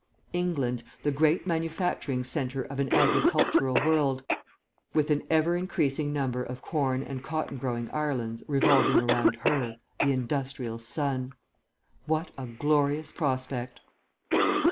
England the great manufacturing centre of an agricultural world, with an ever increasing number of corn and cotton growing Irelands revolving around her, the industrial sun. What a glorious prospect!